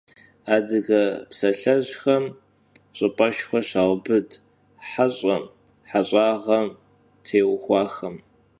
Adıge psalhejxem ş'ıp'eşşxue şaubıd he ş'em, heş'ağem têuxuaxem.